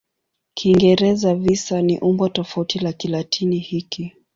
Kiingereza "visa" ni umbo tofauti la Kilatini hiki.